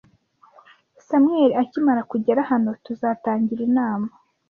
Samuel akimara kugera hano, tuzatangira inama.